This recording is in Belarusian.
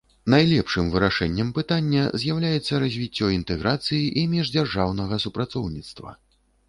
Найлепшым вырашэннем пытання з'яўляецца развіццё інтэграцыі і міждзяржаўнага супрацоўніцтва.